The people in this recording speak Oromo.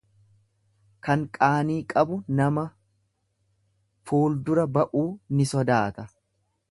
Kan qaanii qabu nama fuuldura ba'uu ni sodaata.